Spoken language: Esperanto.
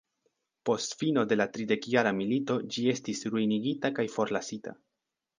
Post fino de la tridekjara milito ĝi estis ruinigita kaj forlasita.